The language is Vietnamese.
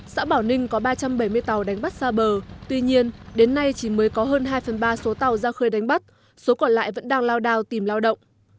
xã bảo ninh có ba trăm bảy mươi tàu đánh bắt xa bờ tuy nhiên đến nay chỉ mới có hơn hai phần ba số tàu ra khơi đánh bắt số còn lại vẫn đang lao đao tìm lao động